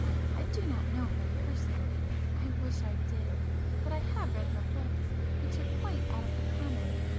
I do not know her personally,—I wish I did; but I have read her books, which are quite out of the [p 143] common.